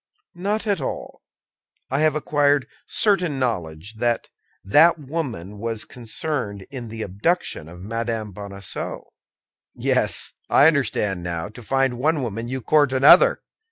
"Not at all. I have acquired certain knowledge that that woman was concerned in the abduction of Madame Bonacieux." "Yes, I understand now: to find one woman, you court another.